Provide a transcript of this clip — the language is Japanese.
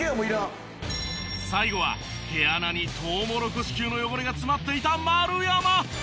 最後は毛穴にトウモロコシ級の汚れが詰まっていた丸山！